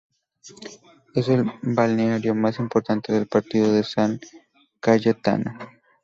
Es el balneario más importante del partido de San Cayetano.